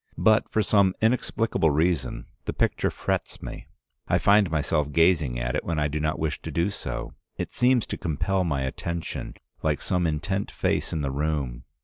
But for some inexplicable reason the picture frets me. I find myself gazing at it when I do not wish to do so. It seems to compel my attention like some intent face in the room.